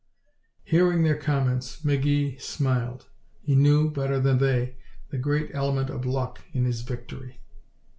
Hearing their comments, McGee smiled. He knew, better than they, the great element of luck in his victory.